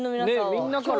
ねみんなから。